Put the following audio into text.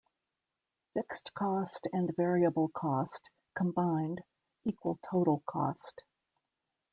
Fixed cost and variable cost, combined, equal total cost.